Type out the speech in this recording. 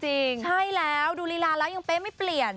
ใช่แล้วดูลีลาแล้วยังเป๊ะไม่เปลี่ยน